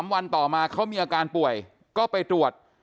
วันต่อมาเขามีอาการป่วยก็ไปตรวจ